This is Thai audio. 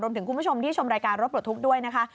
ถึงคุณผู้ชมที่ชมรายการรถปลดทุกข์ด้วยนะคะ